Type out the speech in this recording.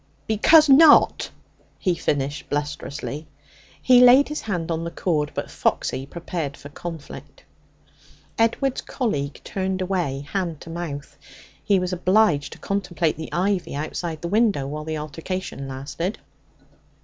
'Because not,' he finished blusterously. He laid his hand on the cord, but Foxy prepared for conflict. Edward's colleague turned away, hand to mouth. He was obliged to contemplate the ivy outside the window while the altercation lasted.